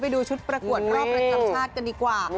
ดูชุดประกวดรอบประจำชาติกันดีกว่า